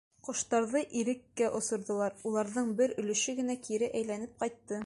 Ҡоштарҙы иреккә осорҙолар, уларҙың бер өлөшө генә кире әйләнеп ҡайтты.